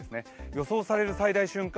予想される最大瞬間